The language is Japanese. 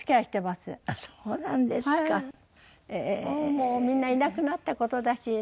もうみんないなくなった事だしね。